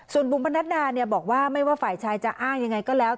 ส่วนบุ๋มพนัดดาบอกว่าไม่ว่าฝ่ายชายจะอ้างยังไงก็แล้ว